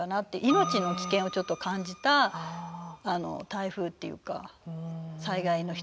命の危険をちょっと感じた台風っていうか災害の一つですね。